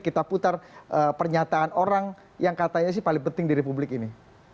kita putar pernyataan orang yang katanya sih paling penting di republik ini